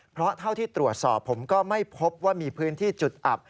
เพราะเท่าที่ตรวจสอบผมก็ไม่พบว่ามีพื้นที่จุดอับ